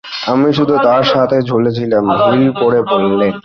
আমি শুধু তার সাথে ঝুলে ছিলাম, হিল পরে বললেন।